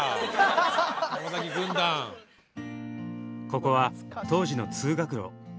ここは当時の通学路。